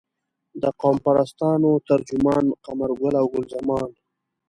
د قوم پرستانو ترجمان قمرګله او ګل زمان.